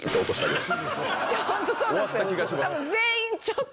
ホントそうなんですよ。